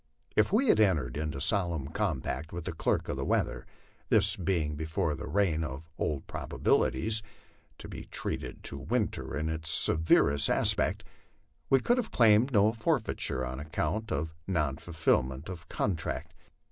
If we had entered into solemn compact with the clerk of the weather this being before the reign of '* Old Probabilities " to be treated to winter in its severest aspect, we could have claimed no forfeiture on account of non fulfil ment of contract.